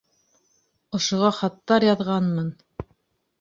Ошоға хаттар яҙғанмын!